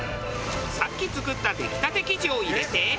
さっき作った出来たて生地を入れて。